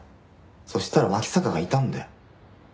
そしたら脇坂がいたんだよ。